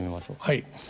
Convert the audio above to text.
はい。